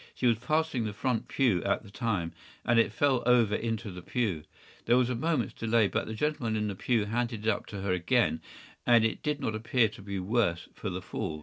She was passing the front pew at the time, and it fell over into the pew. There was a moment’s delay, but the gentleman in the pew handed it up to her again, and it did not appear to be the worse for the fall.